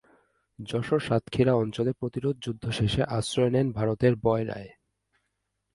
যশোর-সাতক্ষীরা অঞ্চলে প্রতিরোধ যুদ্ধ শেষে আশ্রয় নেন ভারতের বয়রায়।